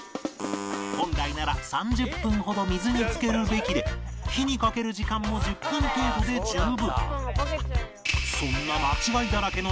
本来なら３０分ほど水につけるべきで火にかける時間も１０分程度で十分